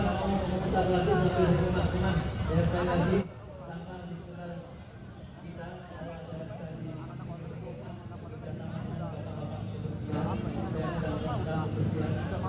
dan kita berusaha untuk menambah amanah di sini